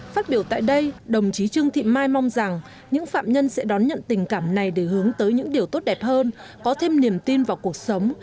phát biểu tại đây đồng chí trương thị mai mong rằng những phạm nhân sẽ đón nhận tình cảm này để hướng tới những điều tốt đẹp hơn có thêm niềm tin vào cuộc sống